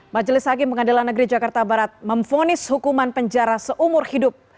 majelis hakim pengadilan negeri jakarta barat memfonis hukuman penjara seumur hidup